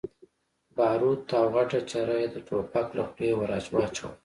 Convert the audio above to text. باروت او غټه چره يې د ټوپک له خولې ور واچوله.